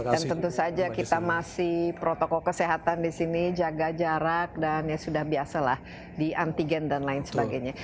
tentu saja kita masih protokol kesehatan di sini jaga jarak dan ya sudah biasa lah di antigen dan lain sebagainya